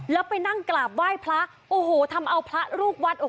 แล้วไปนั่งกราบไหว้พระโอ้โหทำเอาพระลูกวัดโอ้โห